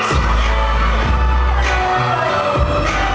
สวัสดีครับ